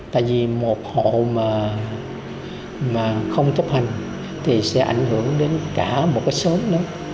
tại vì một hộ mà không tốc hành thì sẽ ảnh hưởng đến cả một cái xóm đó